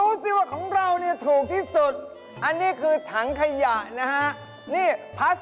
นี่แทน๔ถุงไม่ใช่ทั้งห่อไม่ไม่